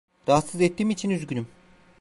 Rahatsız ettiğim için üzgünüm.